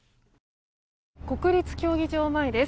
国立競技場前です。